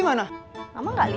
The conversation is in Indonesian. sama jauh yang pas popernik